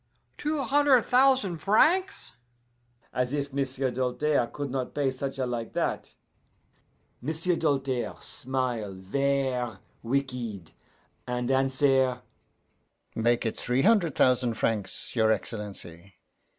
Two hunder' thousan' francs!' as if M'sieu' Doltaire could not pay such a like that. M'sieu' Doltaire smile ver' wicked, and answer, 'Make it three hunder' thousan' francs, your Excellency.